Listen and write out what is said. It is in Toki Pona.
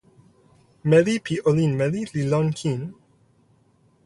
meli pi olin meli li lon kin.